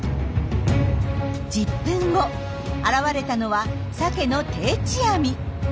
１０分後現れたのはサケの定置網。